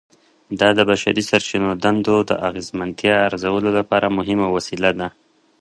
دا د بشري سرچینو دندو د اغیزمنتیا ارزولو لپاره مهمه وسیله ده.